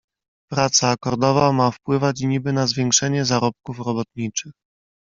"Praca akordowa ma wpływać niby na zwiększenie zarobków robotniczych."